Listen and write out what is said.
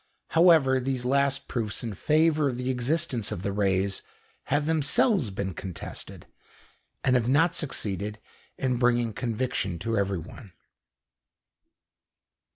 However, these last proofs in favour of the existence of the rays have themselves been contested, and have not succeeded in bringing conviction to everyone.